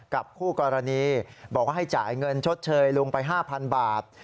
คู่กรณีบอกว่าให้จ่ายเงินชดเชยลุงไป๕๐๐บาท